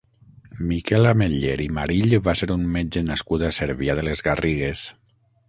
Miquel Ametller i Marill va ser un metge nascut a Cervià de les Garrigues.